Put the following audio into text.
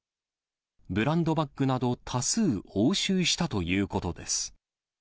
ブランドバッグなど多数、押収したということです。